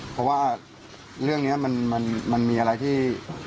เพราะว่าเรื่องนี้มันมีอะไรที่